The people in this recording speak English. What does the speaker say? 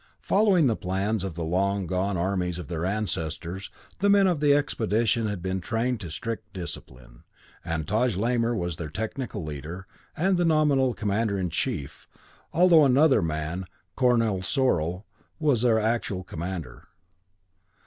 Following the plans of the long gone armies of their ancestors, the men of the expedition had been trained to strict discipline; and Taj Lamor was their technical leader and the nominal Commander in Chief, although another man, Kornal Sorul, was their actual commander.